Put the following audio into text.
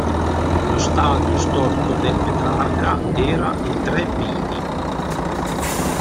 Lo stadio storico del Petrarca era il Tre Pini.